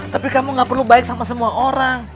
tapi kamu gak perlu baik sama semua orang